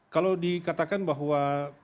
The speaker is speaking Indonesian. kalau dikatakan bahwa